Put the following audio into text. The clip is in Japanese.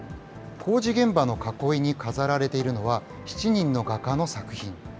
工事現場の囲いに飾られているのは、７人の画家の作品。